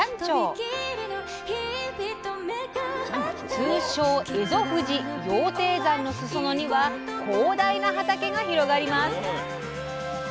通称えぞ富士羊蹄山の裾野には広大な畑が広がります。